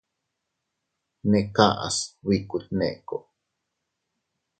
Neʼe kaʼas biku Nneeko.